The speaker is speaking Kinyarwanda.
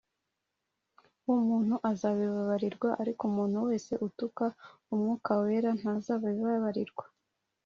W umuntu azabibabarirwa ariko umuntu wese utuka umwuka wera ntazabibabarirwa